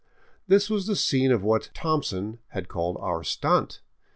This was the scene of what " Thompson " had called " our stunt."